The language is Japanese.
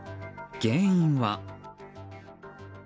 原因は。